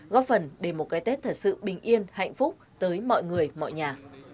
góp phần để một cái tết thật sự bình yên hạnh phúc tới mọi người mọi nhà